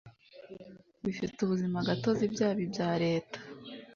bifite ubuzimagatozi byaba ibya leta